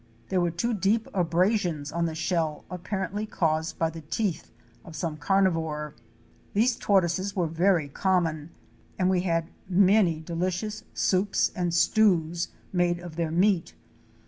There were two deep abrasions on the shell, apparently caused by the teeth of some carnivore. These tortoises were very common and we had many deli cious soups and stews made of their meat.